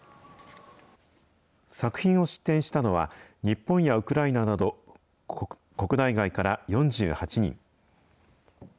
作品を出展したのは、日本やウクライナなど、国内外から４８人。